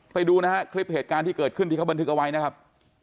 ไปดูนะฮะคลิปเหตุการณ์ที่เกิดขึ้นที่เขาบันทึกเอาไว้นะครับ